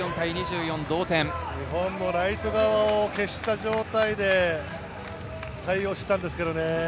日本もライト側は消した状態で、対応したんですけどね。